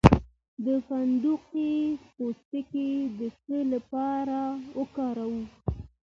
د فندق پوستکی د څه لپاره وکاروم؟